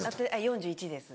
４１です。